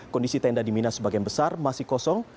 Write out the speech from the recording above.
kondisi tenda di mina sebagian besar masih kosong